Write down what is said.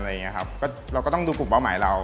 เราก็ต้องดูกลุ่มเป้าหมายเรา